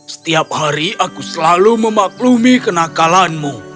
setiap hari aku selalu memaklumi kenakalanmu